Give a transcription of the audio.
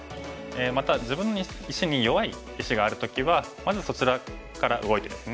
また自分の石に弱い石がある時はまずそちらから動いてですね